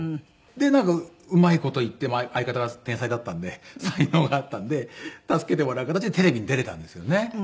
でなんかうまい事いって相方が天才だったんで才能があったんで助けてもらう形でテレビに出れたんですよね。